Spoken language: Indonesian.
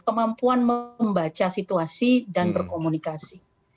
kemampuan membaca situasi dan berkomunikasi